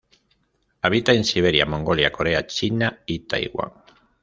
Habita en Siberia, Mongolia, Corea, China y Taiwán.